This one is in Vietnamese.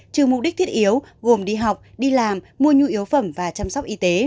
trừ mục đích thiết yếu gồm đi học đi làm mua nhu yếu phẩm và chăm sóc y tế